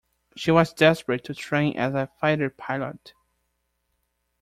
She was desperate to train as a fighter pilot.